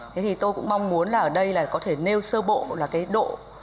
thế thì tôi cũng mong muốn là ở đây là có thể nêu sơ bộ là cái độ